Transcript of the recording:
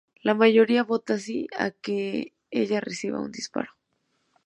La mayoría vota SÍ a que ella reciba un disparo.